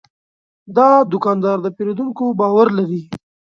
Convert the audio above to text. دا دوکاندار د پیرودونکو باور لري.